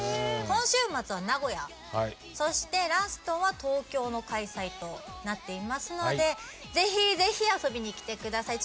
今週末は名古屋はいそしてラストは東京の開催となっていますのでぜひぜひ遊びに来てください